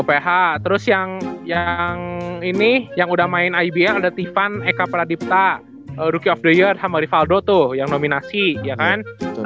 uph terus yang ini yang udah main ibl ada tiffan eka pradipta rookie of the year sama rivaldo tuh yang nominasi ya kan